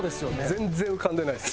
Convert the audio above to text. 全然浮かんでないです。